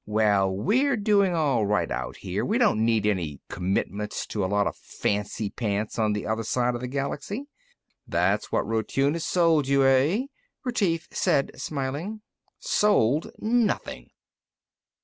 Well, we're doing all right out here. We don't need any commitments to a lot of fancy pants on the other side of the Galaxy." "That's what Rotune has sold you, eh?" Retief said, smiling. "Sold, nothing!"